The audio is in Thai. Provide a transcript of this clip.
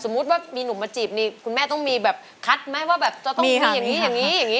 สมมุติว่ามีหนุ่มมาจีบนี่คุณแม่ต้องมีแบบคัดไหมว่าต้องมีอย่างนี้อย่างนี้